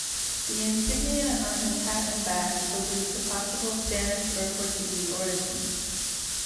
The insignia on his hat and bag allude to possible Spanish or Portuguese origins.